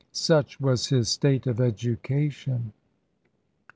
Such was his state of education!